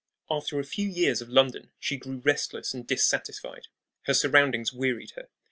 After a few years of London she grew restless and dissatisfied. Her surroundings wearied her.